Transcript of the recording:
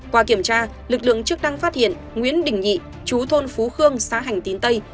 qua kiểm tra lực lượng chức năng phát hiện nguyễn đình nhị chú thôn phú khương xã hành tín tây